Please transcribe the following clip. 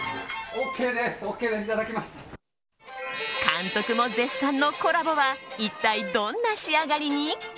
監督も絶賛のコラボは一体どんな仕上がりに？